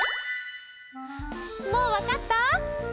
もうわかった？